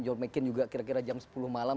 geor mccain juga kira kira jam sepuluh malam